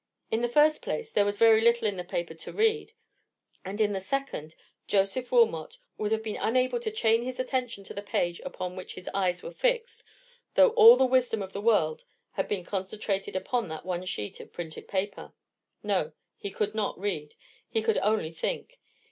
In the first place, there was very little in the paper to read: and in the second, Joseph Wilmot would have been unable to chain his attention to the page upon which his eyes were fixed, though all the wisdom of the world had been concentrated upon that one sheet of printed paper. No; he could not read. He could only think.